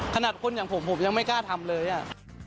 ขนาดคนอย่างผมผมยังไม่กล้าทำเลยอ่ะ